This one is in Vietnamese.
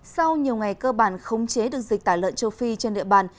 sau nhiều ngày cơ bản khống chế được dịch tả lợn châu phi trên địa bàn